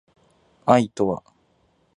愛とは